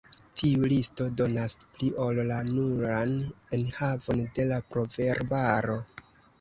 Tiu listo donas pli ol la nuran enhavon de la proverbaro.